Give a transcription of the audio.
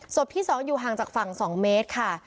ที่๒อยู่ห่างจากฝั่ง๒เมตรค่ะ